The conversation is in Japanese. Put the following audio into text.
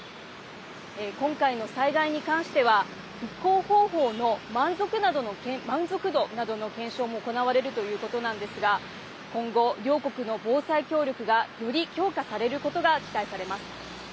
今回の災害に関しては復興方法の満足度などの検証も行われるということなんですが今後、両国の防災協力がより強化されることが期待されます。